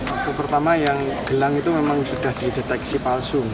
waktu pertama yang gelang itu memang sudah dideteksi palsu